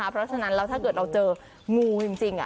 เพราะฉะนั้นแล้วถ้าเกิดเราเจองูจริง